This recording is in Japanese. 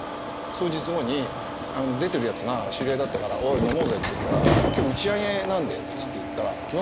数日後に出てるやつが知り合いだったから「おい飲もうぜ」って言ったら「今日打ち上げなんだよ来ますか？」